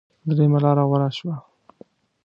درېمه لاره غوره شوه.